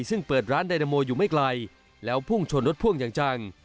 ซึ่งเปิดร้านไดนาโมอยู่ไม่ไกลแล้วพุ่งชนรถพ่วงอย่างจัง